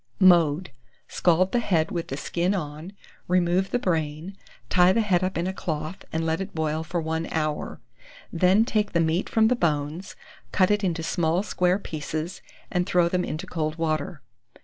Mode. Scald the head with the skin on, remove the brain, tie the head up in a cloth, and let it boil for 1 hour. Then take the meat from the bones, cut it into small square pieces, and throw them into cold water.